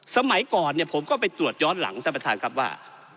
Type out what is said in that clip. สมัยก่อนเนี่ยผมก็ไปตรวจย้อนหลังท่านประธานครับว่า